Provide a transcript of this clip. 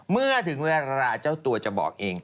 เมื่อถึงเวลาเจ้าตัวจะบอกเอง